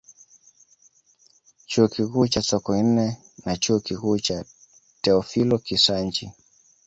Chuo Kikuu cha Sokoine na Chuo Kikuu cha Teofilo Kisanji